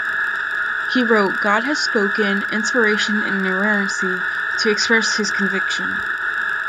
He wrote "God Has Spoken: Inspiration and Inerrancy" to express this conviction.